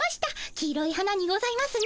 黄色い花にございますね。